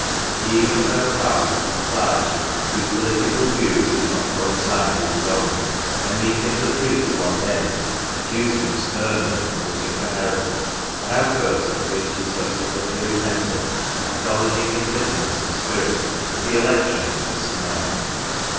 He even fell foul of his " clargy " whose political views did not coincide with his own, and meeting the priest one day accused him sternly of " voting for Herod, 11 an outburst of which he subsequently repented, acknow ledging in bitterness of spirit that the election was a " snare.""